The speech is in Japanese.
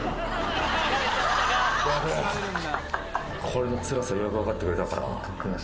これのつらさようやく分かってくれたかな。